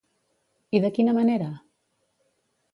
I de quina manera?